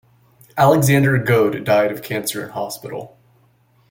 Alexander Gode died of cancer in hospital.